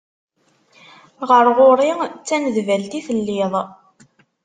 Ɣer ɣur-i d taneblalt i telliḍ.